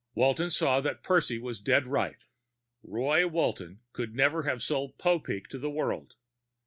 Walton saw that Percy was dead right: Roy Walton could never have sold Popeek to the world.